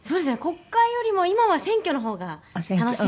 国会よりも今は選挙の方が楽しいですかね。